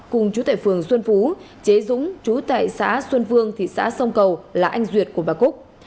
cùng chú tệ phường xuân phú chế dũng chú tại xã xuân vương thị xã sông cầu là anh duyệt của bà cúc